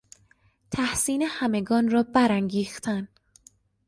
تحسین همگان را برانگیختن